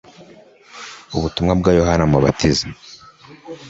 ubutumwa bwa Yohana umubatiza.